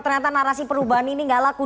ternyata narasi perubahan ini gak laku